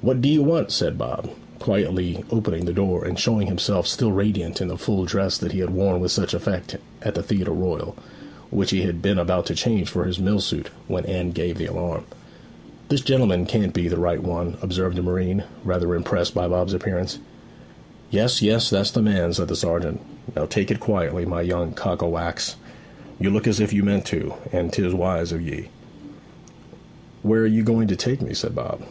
'What d'ye want?' said Bob, quietly opening the door, and showing himself still radiant in the full dress that he had worn with such effect at the Theatre Royal, which he had been about to change for his mill suit when Anne gave the alarm. 'This gentleman can't be the right one,' observed a marine, rather impressed by Bob's appearance. 'Yes, yes; that's the man,' said the sergeant. 'Now take it quietly, my young cock o' wax. You look as if you meant to, and 'tis wise of ye.' 'Where are you going to take me?' said Bob.